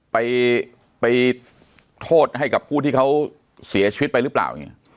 ไปโทษให้กับผู้ที่เขาเสียชีวิตไปหรือเปล่า